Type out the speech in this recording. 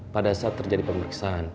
pada saat terjadi pemeriksaan